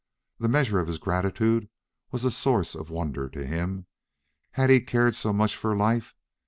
The measure of his gratitude was a source of wonder to him. Had he cared so much for life?